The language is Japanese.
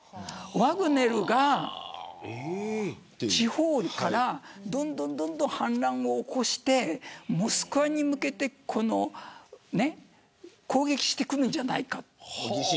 ワグネルが地方から反乱を起こしてモスクワに向けて攻撃してくるんじゃないかと。